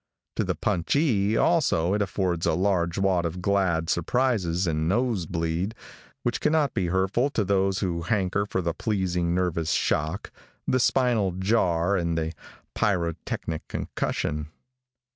To the punchee, also, it affords a large wad of glad surprises and nose bleed, which cannot be hurtful to those who hanker for the pleasing nervous shock, the spinal jar and the pyrotechnic concussion.